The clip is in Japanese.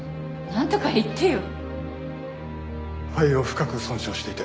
なんとか言ってよ！